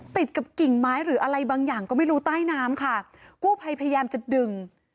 ติดกับกิ่งไม้หรืออะไรบางอย่างก็ไม่รู้ใต้น้ำค่ะกู้ภัยพยายามจะดึง